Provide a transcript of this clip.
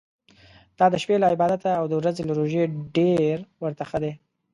دا د شپې له عبادته او د ورځي له روژې ډېر ورته ښه ده.